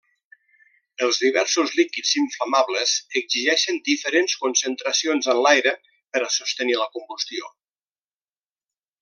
Els diversos líquids inflamables exigeixen diferents concentracions en l'aire per a sostenir la combustió.